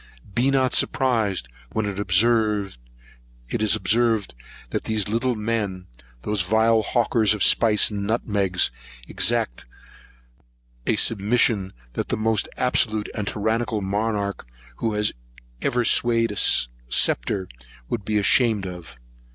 Be not surprised when it is observed, that these little great men, those vile hawkers of spice and nutmegs, exact a submission that the most absolute and tyrannical monarch who ever swayed a sceptre would be ashamed of.